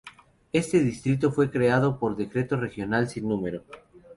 Este distrito fue creado por decreto Regional sin número.